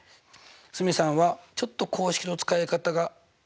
蒼澄さんはちょっと公式の使い方が。